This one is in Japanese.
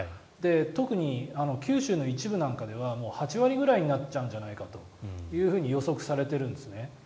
特に九州の一部なんかでは８割ぐらいになっちゃうんじゃないかと予測されているんですね。